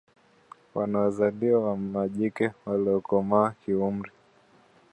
wanaozaliwa na majike waliokomaa kiumri